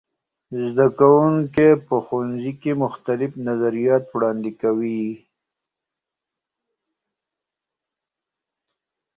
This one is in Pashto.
زده کوونکي په ښوونځي کې مختلف نظریات وړاندې کوي.